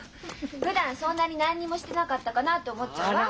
ふだんそんなに何にもしてなかったかなって思っちゃうわ。